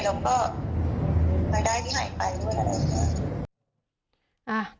แล้วก็รายได้ที่หายไปด้วยอะไรอย่างนี้